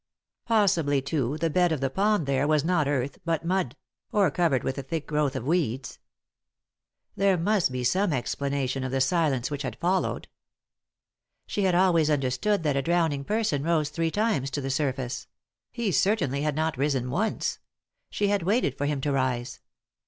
Possibly, too, the bed of the pond there was not earth but mud ; or covered with a thick growth of weeds. There must be some simple explanation of the silence which had followed. She had always understood that a drowning person rose three times to the sur face ; he certainly had not risen once ; she bad waited for him to rise.